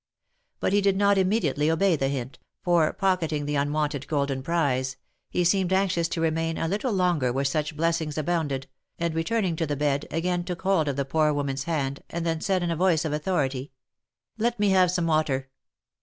But he did not immediately obey the hint, for pocketing the unwonted golden prize, he seemed anxious to remain a little longer where such blessings abounded, and returning to the bed, again took hold of the poor woman's hand, and then said in a voice of authority —" Let me have some water."